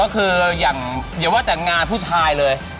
ก็คืออย่างอย่าว่าแต่งงานผู้ชายเลย